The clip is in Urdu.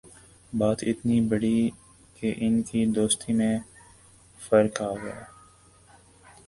بات اتنی بڑھی کہ ان کی دوستی میں فرق آگیا